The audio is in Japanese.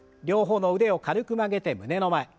両方の腕を軽く曲げて胸の前。